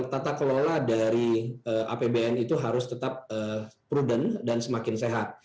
tata kelola dari apbn itu harus tetap prudent dan semakin sehat